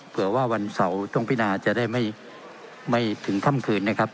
เผื่อว่าวันเสาร์ต้องพินาจะได้ไม่ถึงค่ำคืนนะครับ